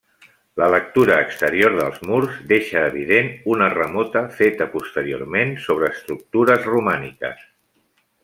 La lectura exterior dels murs deixa evident una remota feta posteriorment sobre estructures romàniques.